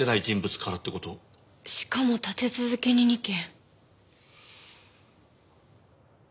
しかも立て続けに２件。